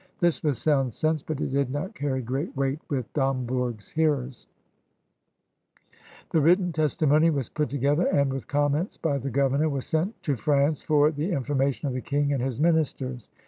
This was sound sense, but it did not carry great weight with Dombourg's hearersl The written testimony was put together and, with conmients by the governor, was sent to France for the information of the King and his ministers.